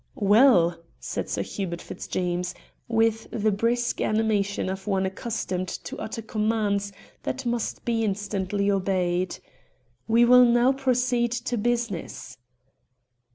"Well," said Sir Hubert Fitzjames, with the brisk animation of one accustomed to utter commands that must be instantly obeyed, "we will now proceed to business."